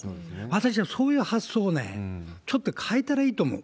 私はそういう発想をちょっと変えたらいいと思う。